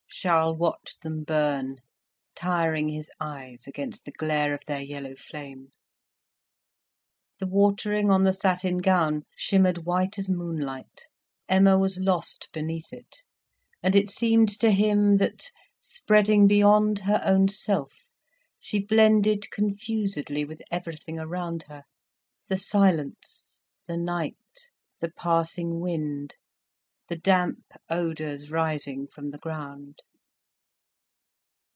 Charles watched them burn, tiring his eyes against the glare of their yellow flame. The watering on the satin gown shimmered white as moonlight. Emma was lost beneath it; and it seemed to him that, spreading beyond her own self, she blended confusedly with everything around her the silence, the night, the passing wind, the damp odours rising from the ground.